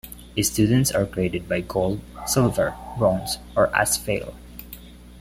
Students are graded by gold, silver, bronze or as fail.